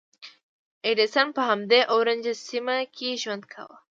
ایډېسن په همدې اورنج سیمه کې ژوند کاوه.